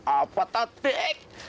apa tau dik